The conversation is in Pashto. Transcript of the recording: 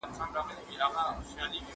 جینټیکي عوامل د ځان وژنې اصلي لامل نه دي.